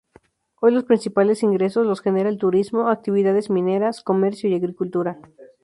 Hoy los principales ingresos los genera el turismo, actividades mineras, comercio y agricultura.